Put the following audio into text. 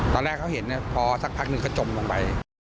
ตอนแรกเขาเห็นพอสักพักหนึ่งก็จมลงไป